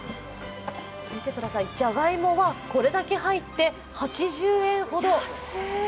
見てください、じゃがいもはこれだけ入って８０円ほど。